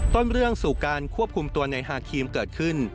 ต้นเรื่องสู่การควบคุมตัวในฮาครีมเกิดขึ้น